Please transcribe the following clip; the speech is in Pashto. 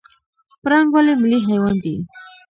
پړانګ ولې ملي حیوان دی؟